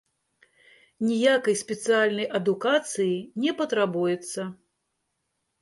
Ніякай спецыяльнай адукацыі не патрабуецца.